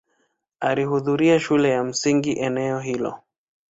Alihudhuria shule ya msingi eneo hilo.